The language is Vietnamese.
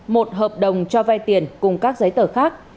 một hợp đồng cho vai tiền cùng các giấy tờ khác